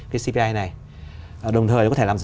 cpi này đồng thời có thể làm